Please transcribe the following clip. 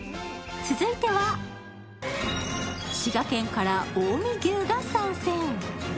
続いては、滋賀県から近江牛が参戦。